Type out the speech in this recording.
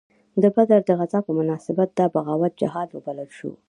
د بدر د غزا په مناسبت دا بغاوت جهاد وبلل شو.